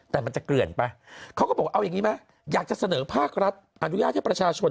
แต่มันจะเกลื่อนไปเขาก็บอกเอาอย่างนี้ไหมอยากจะเสนอภาครัฐอนุญาตให้ประชาชน